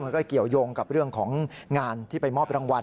เกี่ยวยงกับเรื่องของงานที่ไปมอบรางวัล